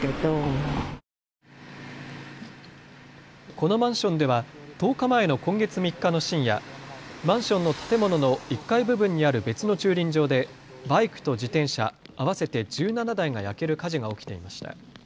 このマンションでは１０日前の今月３日の深夜、マンションの建物の１階部分にある別の駐輪場でバイクと自転車合わせて１７台が焼ける火事が起きていました。